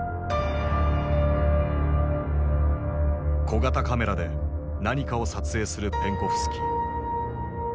小型カメラで何かを撮影するペンコフスキー。